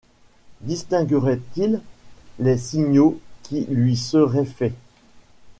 Distinguerait-il les signaux qui lui seraient faits ?